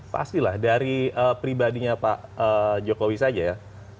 pasti lah dari pribadinya pak jokowi saja ya